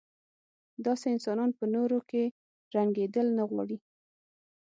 داسې انسانان په نورو کې رنګېدل نه غواړي.